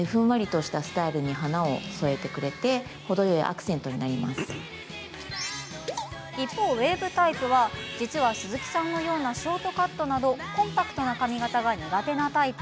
ウエーブタイプの方は一方、ウエーブタイプは実は鈴木さんのようなショートカットなどコンパクトな髪形が苦手なタイプ。